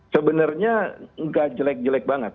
sebenarnya nggak jelek jelek banget